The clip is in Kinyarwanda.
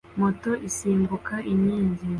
Moto isimbuka inkingi